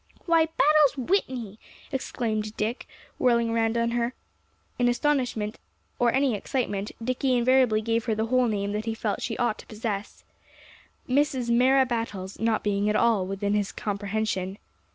"Why, Battles Whitney!" exclaimed Dick, whirling around on her. In astonishment, or any excitement, Dicky invariably gave her the whole name that he felt she ought to possess; "Mrs. Mara Battles" not being at all within his comprehension.